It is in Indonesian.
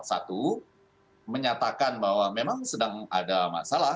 satu menyatakan bahwa memang sedang ada masalah